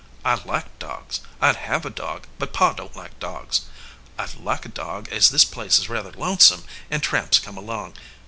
I like dogs. I d have a dog, but Pa don t like dogs. I d like a dog, as this place is rather lonesome, and tramps come along.